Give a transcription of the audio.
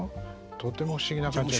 とても不思議な感じが。